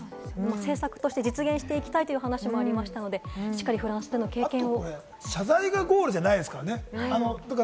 政策としては実現していきたいという話もありましたので、しっかりフランスでの経験を。